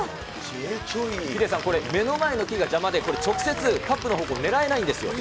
ヒデさん、これ、目の前の木が邪魔で直接カップの方向、狙えないんですよ。